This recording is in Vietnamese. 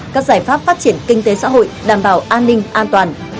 các giải pháp phát triển kinh tế xã hội đảm bảo an ninh an toàn